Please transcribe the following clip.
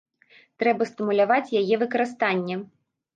Трэба стымуляваць яе выкарыстанне.